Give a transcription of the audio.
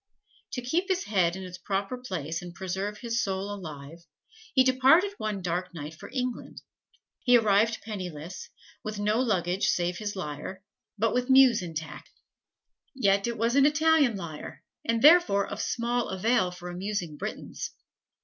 To keep his head in its proper place and to preserve his soul alive, he departed one dark night for England. He arrived penniless, with no luggage save his lyre, but with muse intact. Yet it was an Italian lyre, and therefore of small avail for amusing Britons.